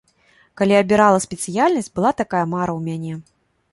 Калі абірала спецыяльнасць, была такая мара ў мяне.